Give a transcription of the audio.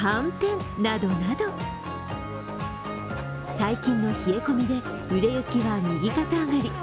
最近の冷え込みで売れ行きは右肩上がり。